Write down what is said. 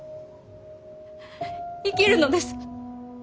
生きるのです。